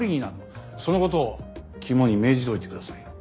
その事を肝に銘じておいてください。